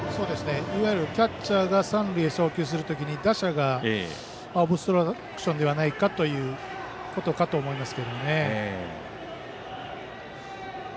いわゆるキャッチャーが三塁に送球する時に打者がオブストラクションではないかということではないかと思いますけどね。